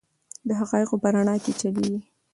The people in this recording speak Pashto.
د حقایقو په رڼا کې چلیږي.